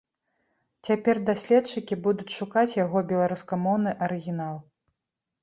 Цяпер даследчыкі будуць шукаць яго беларускамоўны арыгінал.